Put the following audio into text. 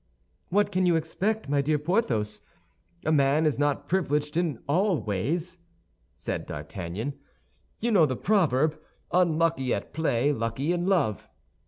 "What can you expect, my dear Porthos; a man is not privileged in all ways," said D'Artagnan. "You know the proverb 'Unlucky at play, lucky in love.